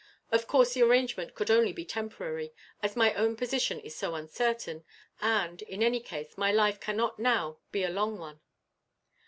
Of course the arrangement could only be temporary, as my own position is so uncertain and, in any case, my life cannot now be a long one.